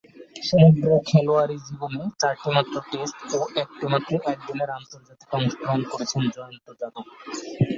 সমগ্র খেলোয়াড়ী জীবনে চারটিমাত্র টেস্টে ও একটিমাত্র একদিনের আন্তর্জাতিকে অংশগ্রহণ করেছেন জয়ন্ত যাদব।